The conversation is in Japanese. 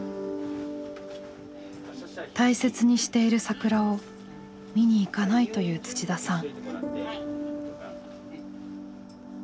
大切にしている桜を見に行かないと言う土田さん。